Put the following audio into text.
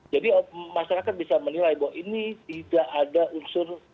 jadi masyarakat bisa menilai bahwa ini tidak ada unsur